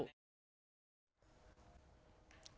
ก่อนต่อมา